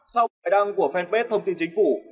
sau một bài đăng của fanpage thông tin chính phủ